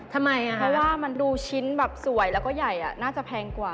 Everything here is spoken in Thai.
ทำไมเพราะว่ามันดูชิ้นแบบสวยแล้วก็ใหญ่น่าจะแพงกว่า